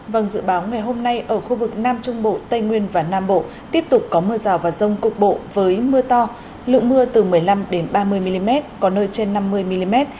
vâng dự báo ngày hôm nay ở khu vực nam trung bộ tây nguyên và nam bộ tiếp tục có mưa rào và rông cục bộ với mưa to lượng mưa từ một mươi năm ba mươi mm có nơi trên năm mươi mm